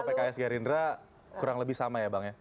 pks gerindra kurang lebih sama ya bang ya